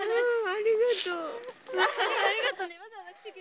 ありがとうね。